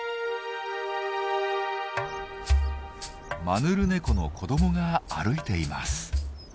マヌルネコの子どもが歩いています。